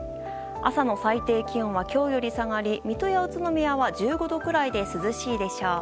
朝の最低気温は今日より下がり水戸や宇都宮は１５度くらいで涼しいでしょう。